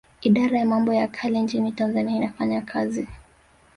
Idara ya mambo ya kale nchini Tanzania inafanya kazi